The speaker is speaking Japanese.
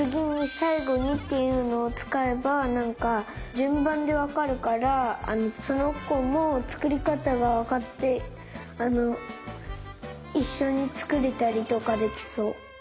「さいごに」っていうのをつかえばなんかじゅんばんでわかるからそのこもつくりかたがわかっていっしょにつくれたりとかできそう。